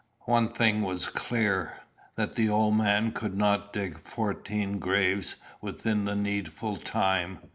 One thing was clear, that the old man could not dig fourteen graves within the needful time.